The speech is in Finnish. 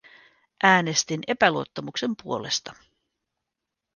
Äänestin epäluottamuksen puolesta.